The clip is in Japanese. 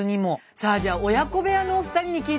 さあじゃあ親子部屋のお二人に聞いてみましょう。